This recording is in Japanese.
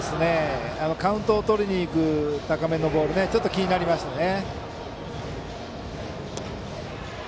カウントをとりにいく高めのボールがちょっと気になりますね。